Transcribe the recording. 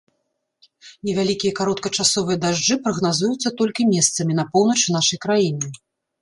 Невялікія кароткачасовыя дажджы прагназуюцца толькі месцамі на поўначы нашай краіны.